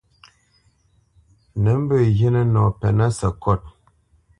Nǝ̌ mbǝ̄ghinǝ nɔ pɛ́nǝ̄ sǝkôt.